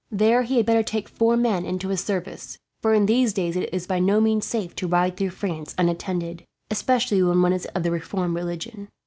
There he had better take four men into his service, for in these days it is by no means safe to ride through France unattended; especially when one is of the reformed religion.